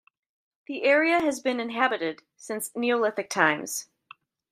The area has been inhabited since Neolithic times.